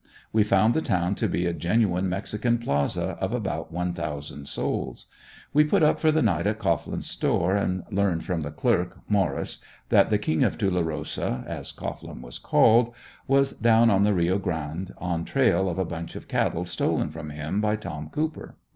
We found the town to be a genuine mexican "Plaza" of about one thousand souls. We put up for the night at Cohglin's store and learned from the clerk, Morris, that the "King of Tulerosa," as Cohglin was called, was down on the Rio Grande on trail of a bunch of cattle stolen from him by Tom Cooper.